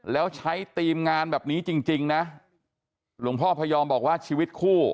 แล้วใช้ทีมงานแบบนี้จริงนะหลวงพ่อพยอมบอกว่าชีวิตคู่